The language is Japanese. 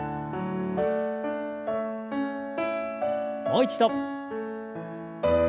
もう一度。